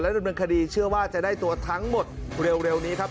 ดำเนินคดีเชื่อว่าจะได้ตัวทั้งหมดเร็วนี้ครับ